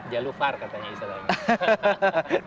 jalu var katanya bisa banget